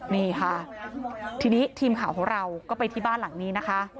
นี่ค่ะทีนี้ทีมข่าวของเราก็ไปที่บ้านหลังนี้นะคะ